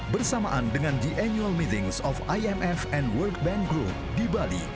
bersamaan dengan di annual meetings of imf and world bank group di bali